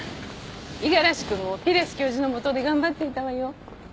五十嵐君もピレス教授のもとで頑張っていたわよ。